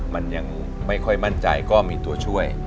มันยังไม่ค่อยมั่นใจก็มีตัวช่วย